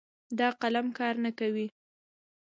دا قلم کار نه کوي